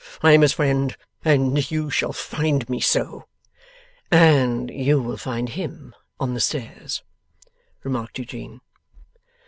I am his friend, and you shall find me so.' 'And you will find HIM on the stairs,' remarked Eugene.